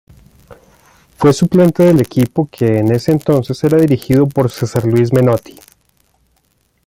Fue suplente del equipo que en ese entonces era dirigido por Cesar Luis Menotti.